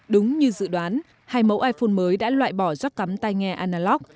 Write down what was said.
đúng như dự đoán hai mẫu iphone mới đã loại bỏ giót cắm tai nghe analog